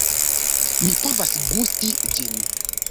Mi povas gusti ĝin.